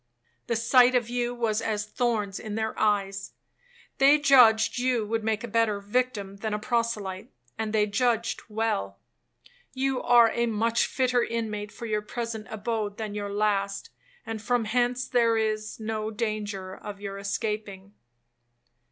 The sight of you was as thorns in their eyes,—they judged you would make a better victim than a proselyte, and they judged well. You are a much fitter inmate for your present abode than your last, and from hence there is no danger of your escaping.'